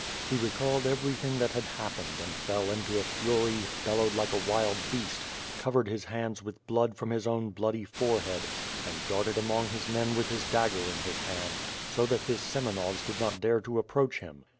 He recalled everything that had hap pened, and fell into a fury, bellowed like a wild beast, cov ered his hands with blood from his own bloody forehead, and darted among his men with his dagger in his hand, so that his Semenovs did not dare to approach him.